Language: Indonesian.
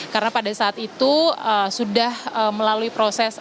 karena pada saat itu sudah melalui proses